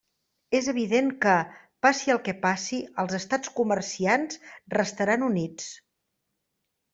És evident que, passi el que passi, els estats comerciants restaran units.